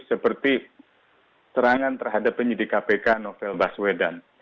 seperti serangan terhadap penyidik kpk novel baswedan